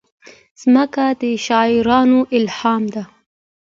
مځکه د شاعرانو الهام ده.